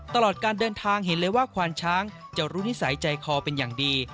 ตลอดการเดินทางเห็นเลยว่าควานช้างจะรู้นิสัยใจคอเป็นอย่างดี